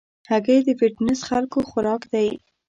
هګۍ د فټنس خلکو خوراک دی.